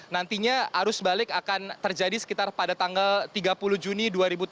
nantinya arus balik akan terjadi sekitar pada tanggal tiga puluh juni dua ribu tujuh belas